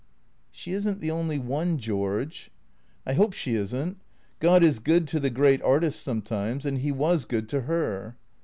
" She is n't the only one, George." " I hope she is n't. God is good to the great artists some times, and he was good to her."